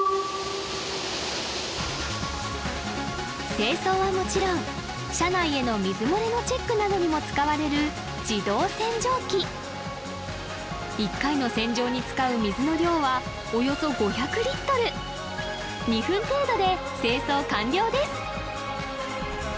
清掃はもちろん車内への水漏れのチェックなどにも使われる自動洗浄機１回の洗浄に使う水の量はおよそ５００リットル２分程度で清掃完了です